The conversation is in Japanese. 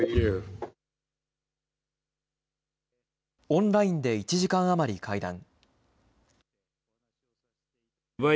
オンラインで１時間余り会談。